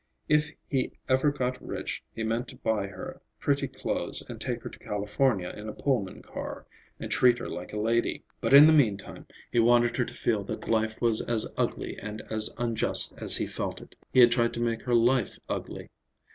If he ever got rich he meant to buy her pretty clothes and take her to California in a Pullman car, and treat her like a lady; but in the mean time he wanted her to feel that life was as ugly and as unjust as he felt it. He had tried to make her life ugly.